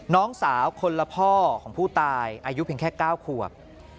น้องสาวคนละพ่อของผู้ตายอายุเพียงแค่๙ขวบ